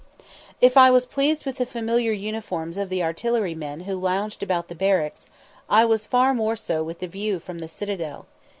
If I was pleased with the familiar uniforms of the artillerymen who lounged about the barracks, I was far more so with the view from the citadel.